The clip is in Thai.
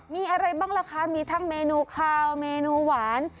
มีอะไรบ้างล่ะคะมีทั้งเมนูคาวเมนูหวาน